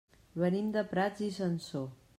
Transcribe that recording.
Venim de Prats i Sansor.